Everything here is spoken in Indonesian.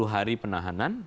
dua puluh hari penahanan